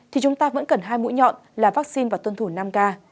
thì chúng ta vẫn cần hai mũi nhọn là vaccine và tuân thủ năm k